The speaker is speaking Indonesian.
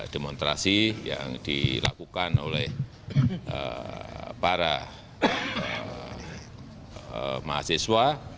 demonstrasi yang dilakukan oleh para mahasiswa